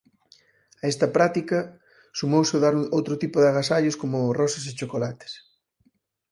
A esta práctica sumouse o dar outro tipo de agasallos como rosas e chocolates.